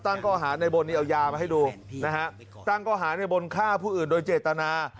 ก้อหาในบนนี้เอายามาให้ดูนะฮะตั้งข้อหาในบนฆ่าผู้อื่นโดยเจตนา